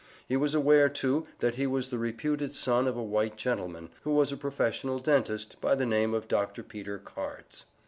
He was aware, too, that he was the reputed son of a white gentleman, who was a professional dentist, by the name of Dr. Peter Cards.